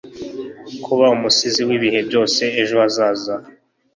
kuba umusizi w'ibihe byose ejo hazaza